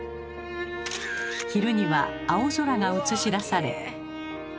昼には青空が映し出され。